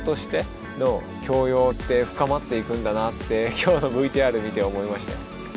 今日のＶＴＲ見て思いましたよ。